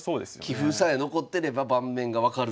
棋譜さえ残ってれば盤面が分かるという。